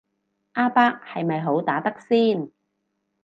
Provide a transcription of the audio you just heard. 阿伯係咪好打得先